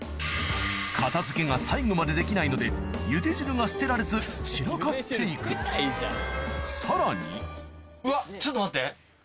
片付けが最後までできないので茹で汁が捨てられず散らかって行くさらにうわ。